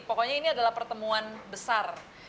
pokoknya ini adalah pertemuan besar